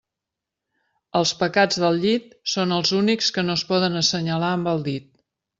Els pecats del llit són els únics que no es poden assenyalar amb el dit.